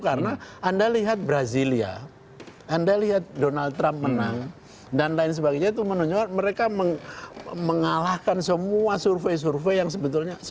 karena anda lihat brasilia anda lihat donald trump menang dan lain sebagainya itu menunjukkan mereka mengalahkan semua survei survei yang sebetulnya